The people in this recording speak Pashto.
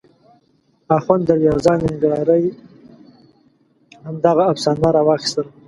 اخوند دروېزه ننګرهاري همدغه افسانه راواخیستله.